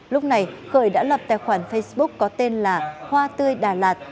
lúc này khởi đã lập tài khoản facebook có tên là hoa tươi đà lạt